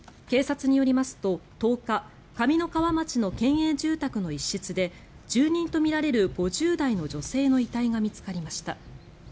警察によりますと１０日上三川町の県営住宅の一室で住人とみられる５０代の女性の遺体が見つかりました。